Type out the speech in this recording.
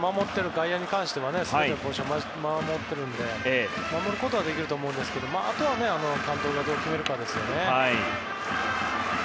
外野に関しては全てのポジションを守っていて守ることはできると思いますがあとは、監督がどう決めるかですね。